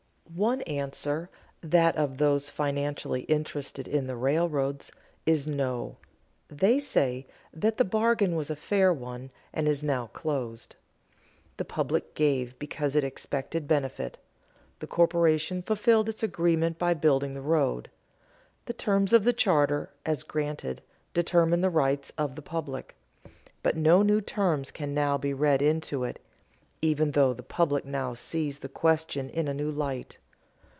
One answer, that of those financially interested in the railroads, is No. They say that the bargain was a fair one, and is now closed. The public gave because it expected benefit; the corporation fulfilled its agreement by building the road. The terms of the charter, as granted, determine the rights of the public; but no new terms can now be read into it, even though the public now sees the question in a new light.